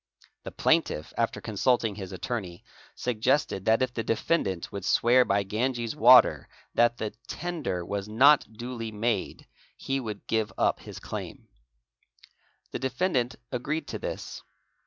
The plaintiff, after consulting his attorney, suggested that if the defendant would swear by Ganges water that the tender was not duly made he would give up his claim. The defendant agreed to this.